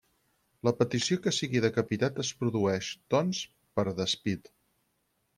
La petició que sigui decapitat es produeix, doncs, per despit.